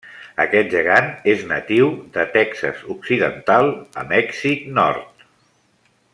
Aquest gegant és natiu de Texas occidental a Mèxic nord.